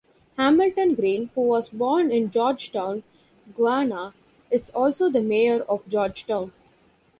Hamilton Green, who was born in Georgetown, Guyana, is also the Mayor of Georgetown.